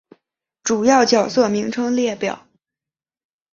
主要角色名称列表。